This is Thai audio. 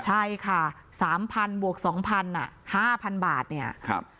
ใช่ค่ะสามพันบวกสองพันอ่ะห้าพันบาทเนี่ยครับ